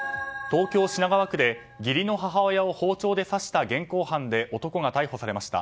東京・品川区で義理の母親を包丁で刺した疑いで現行犯で男が逮捕されました。